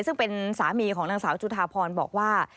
ซึ่งเป็นสามีของนางสาวจุธาพรบอกว่า